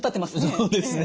そうですね。